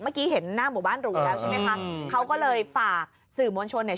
เมื่อกี้เห็นหน้าหมู่บ้านหรูแล้วใช่ไหมคะเขาก็เลยฝากสื่อมวลชนเนี่ย